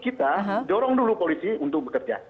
kita dorong dulu polisi untuk bekerja